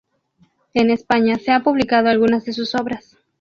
En España se ha publicado algunas de sus obras.